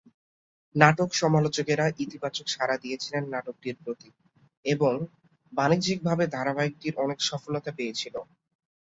নাটক-সমালোচকেরা ইতিবাচক সাড়া দিয়েছিলেন নাটকটির প্রতি এবং বাণিজ্যিকভাবে ধারাবাহিকটি অনেক সফলতা পেয়েছিলো।